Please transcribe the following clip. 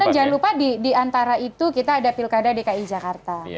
dan jangan lupa di antara itu kita ada pilkada dki jakarta